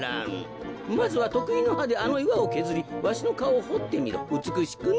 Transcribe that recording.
まずはとくいのはであのいわをけずりわしのかおをほってみろうつくしくな。